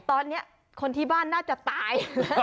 ตอนนี้คนที่บ้านน่าจะตาย